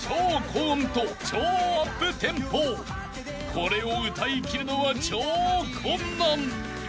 ［これを歌いきるのは超困難］